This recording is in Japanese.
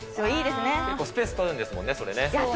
結構スペース取るんですもんね、それね。